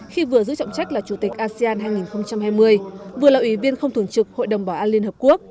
khi vừa giữ trọng trách là chủ tịch asean hai nghìn hai mươi vừa là ủy viên không thường trực hội đồng bảo an liên hợp quốc